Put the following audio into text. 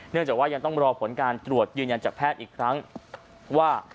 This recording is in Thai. จากว่ายังต้องรอผลการตรวจยืนยันจากแพทย์อีกครั้งว่า